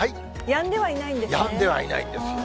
やんではいないんですよ。